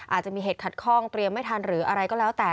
อาจจะมีเหตุขัดข้องเตรียมไม่ทันหรืออะไรก็แล้วแต่